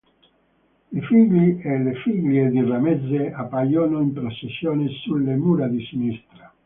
I figli e le figlie di Ramesse appaiono in processione sulle mura di sinistra.